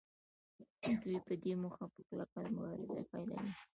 دوی په دې موخه په کلکه مبارزه پیلوي